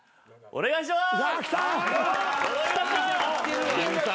お願いします